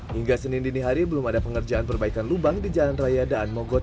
hingga senin dini hari belum ada pengerjaan perbaikan lubang di jalan raya daan mogot